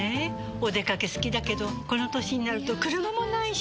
お出かけ好きだけどこの歳になると車もないし。